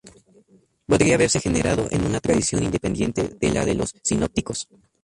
Podría haberse generado en una tradición independiente de la de los sinópticos.